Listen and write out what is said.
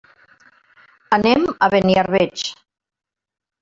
Anem a Beniarbeig.